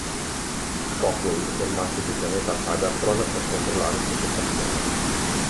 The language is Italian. Shockwave è rimasto sul pianeta Cybertron per controllare il Ponte Spaziale.